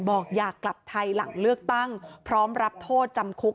บอกอยากกลับไทยหลังเลือกตั้งพร้อมรับโทษจำคุก